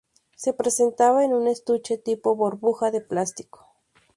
Se presentaba en un estuche tipo burbuja de plástico.